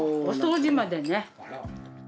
お掃除までね。